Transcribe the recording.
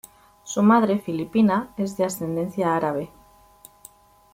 Su madre, filipina, es de ascendencia árabe.